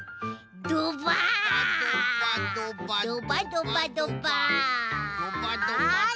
ドバドバドバッ！